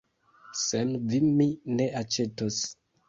Sen vi mi ne aĉetos.